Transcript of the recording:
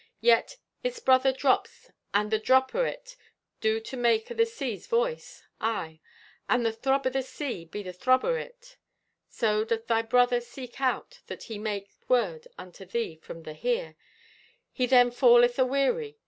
Yet its brother drops and the drop o' it do to make o' the sea's voice. Aye, and the throb o' the sea be the throb o' it. So, doth thy brother seek out that he make word unto thee from the Here, he then falleth aweary.